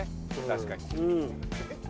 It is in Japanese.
確かに。